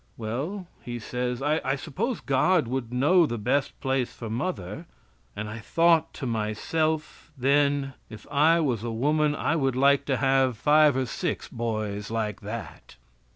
"Well," he says, "I suppose God would know the best place for mother." And I thought to myself, then, if I was a woman, I would like to have five or six boys like that.